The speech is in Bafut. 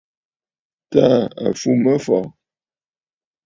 Tàa à fù mə afɔ̀.